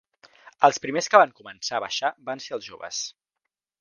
Els primers que van començar a baixar van ser els joves.